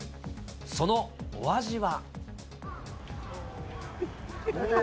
そのお味は？